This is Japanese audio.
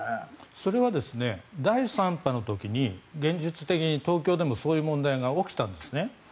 それは第３波の時に現実的に東京でもそういう問題が起きたんですね。